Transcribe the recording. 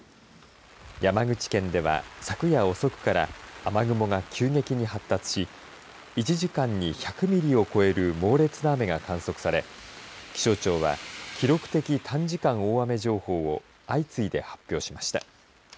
山口県では昨夜遅くから雨雲が急激に発達し１時間に１００ミリを超える猛烈な雨が観測され気象庁は記録的短時間大雨情報を相次いで発表しました。